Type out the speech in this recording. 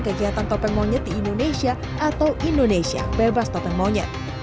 kegiatan topeng monyet di indonesia atau indonesia bebas topeng monyet